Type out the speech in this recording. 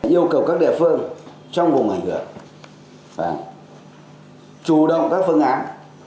yêu cầu các địa phương trong vùng ảnh hưởng chủ động các phương án